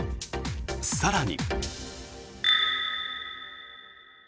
更に。